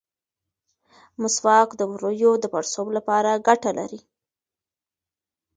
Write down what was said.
مسواک د ووریو د پړسوب لپاره ګټه لري.